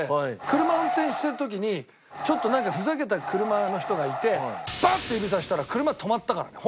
車運転してる時にちょっとなんかふざけた車の人がいてバッと指さしたら車止まったからね